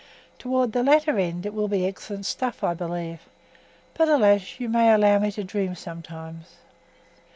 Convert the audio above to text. Towards the latter end it will be excellent stuff, I believe; but, alas! you may allow me to dream sometimes.